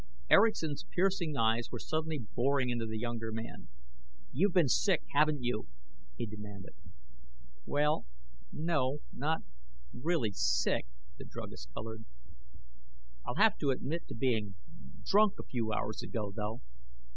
Erickson's piercing eyes were suddenly boring into the younger man. "You've been sick, haven't you?" he demanded. "Well no not really sick." The druggist colored. "I'll have to admit to being drunk a few hours ago, though."